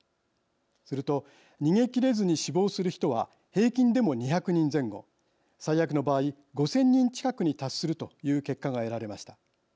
すると、逃げきれずに死亡する人は平均でも２００人前後最悪の場合５０００人近くに達するという結果が得られました。